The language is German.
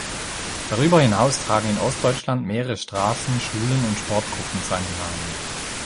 Darüber hinaus tragen in Ostdeutschland mehrere Straßen, Schulen und Sportgruppen seinen Namen.